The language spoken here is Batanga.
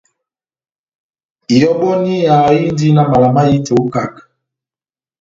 Ihɔbɔniya indi na mala mahitɛ ó ikaká.